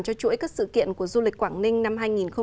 cho chuỗi các sự kiện của du lịch quảng ninh năm hai nghìn hai mươi